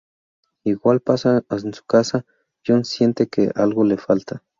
Igual pasa en su casa; John siente que algo le falta.